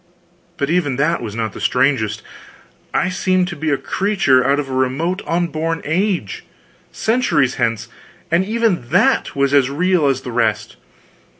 But even that was not the strangest. I seemed to be a creature out of a remote unborn age, centuries hence, and even that was as real as the rest!